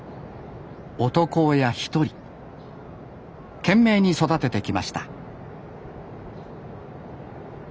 男親一人懸命に育ててきました